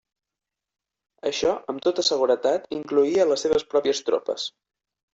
Això, amb tota seguretat, incloïa a les seves pròpies tropes.